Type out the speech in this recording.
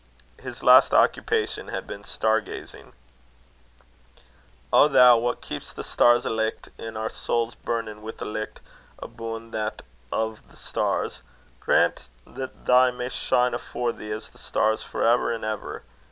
His last occupation had been star gazing: "O thou, wha keeps the stars alicht, an' our souls burnin' wi' a licht aboon that o' the stars, grant that they may shine afore thee as the stars for ever and ever.